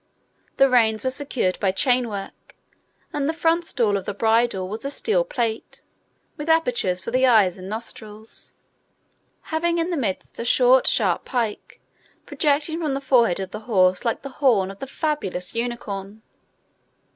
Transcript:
The reins were secured by chain work, and the front stall of the bridle was a steel plate, with apertures for the eyes and nostrils, having in the midst a short, sharp pike, projecting from the forehead of the horse like the horn of the fabulous unicorn.